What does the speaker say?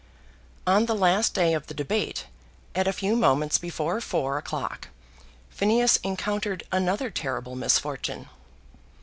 On the last day of the debate, at a few moments before four o'clock, Phineas encountered another terrible misfortune.